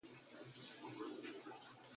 Ha sido embajadora de Naciones Unidas.